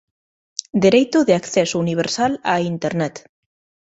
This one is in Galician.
Dereito de acceso universal á internet.